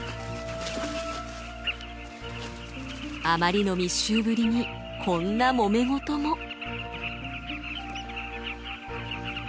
あまりの密集ぶりにこんなもめ事も。